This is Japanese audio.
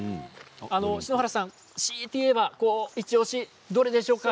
篠原さん、強いて言えばイチおしはどれでしょうか？